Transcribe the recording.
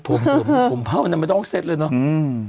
ผมพาวนั้นไม่ต้องเสร็จเลยเนาะ